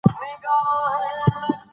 سیاسي بدلون ولسي غوښتنه ده